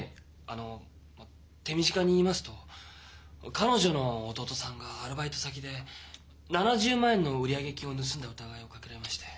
あの手短に言いますと彼女の弟さんがアルバイト先で７０万円の売上金を盗んだ疑いをかけられまして。